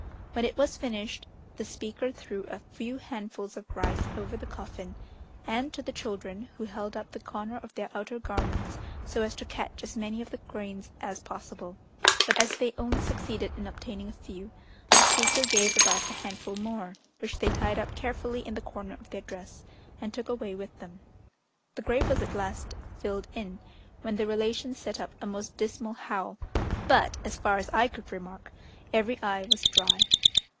When it was finished, the speaker threw a few handfuls of rice over the coffin and to the children, who held up the corner of their outer garments so as to catch as many of the grains as possible; but as they only succeeded in obtaining a few, the speaker gave about a handful more, which they tied up carefully in the corner of their dress, and took away with them. The grave was at last filled in, when the relations set up a most dismal howl, but, as far as I could remark, every eye was dry.